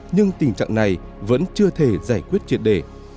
nhưng tình trạng này vẫn chưa thể giải quyết triệt đề